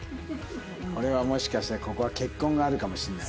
これはもしかしてここは結婚があるかもしれない。